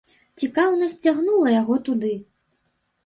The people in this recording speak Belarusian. Цікаўнасць цягнула яго туды.